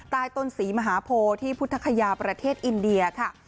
ใต้ต้นศรีมหาโพที่พุทธคยาประเทศอินเดียค่ะ